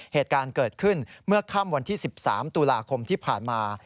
เหตุการณ์เกิดขึ้นเมื่อค่ำวันที่๑๓ตุลาคมที่ผ่านมา